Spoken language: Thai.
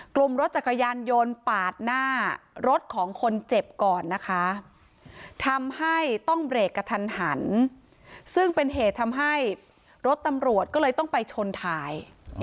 กลุ่มรถจักรยานยนต์ปาดหน้ารถของคนเจ็บก่อนนะคะทำให้ต้องเบรกกระทันหันซึ่งเป็นเหตุทำให้รถตำรวจก็เลยต้องไปชนท้าย